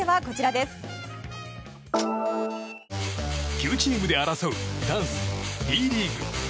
９チームで争うダンス、Ｄリーグ。